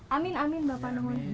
amin amin bapak nungun